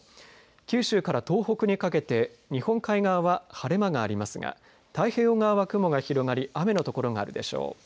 九州から東北にかけて日本海側は晴れ間がありますが太平洋側は雲が広がり雨の所があるでしょう。